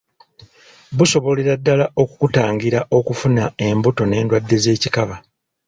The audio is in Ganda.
Busobolera ddala okukutangira okufuna embuto n’endwadde z’ekikaba.